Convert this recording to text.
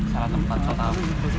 salah tempat salah tempat